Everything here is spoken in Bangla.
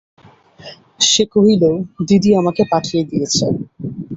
সে কহিল, দিদি আমাকে পাঠিয়ে দিয়েছে।